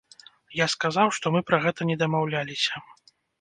Я сказаў, што мы пра гэта не дамаўляліся.